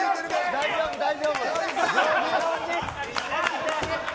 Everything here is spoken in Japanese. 大丈夫、大丈夫。